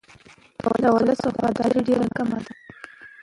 د ولس وفاداري ډېره کمه ده.